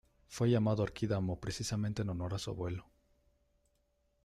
Fue llamado Arquidamo precisamente en honor a su abuelo.